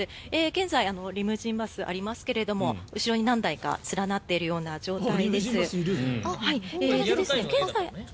現在、リムジンバスありますけども後ろに何台か連なっている状況で。